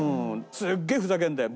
すっげえふざけるんだよ。